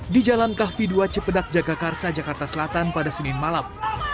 di jalan kahvi dua cipedak jagakarsa jakarta selatan pada senin malam